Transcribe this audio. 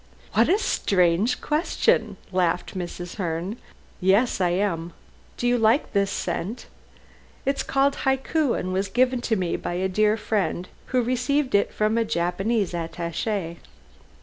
"What a strange question," laughed Mrs. Herne. "Yes, I am. Do you like this scent. It is called Hikui, and was given to me by a dear friend who received it from a Japanese attache."